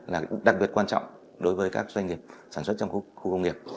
là đặc biệt quan trọng đối với các doanh nghiệp sản xuất trong khu công nghiệp